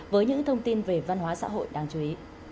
với những thông tin về văn hóa xã hội đáng chú ý